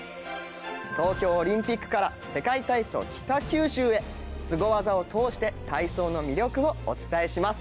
東京オリンピックから世界体操北九州へスゴ技を通して体操の魅力をお伝えします。